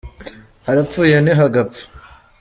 Harapfuye ntihagapfe.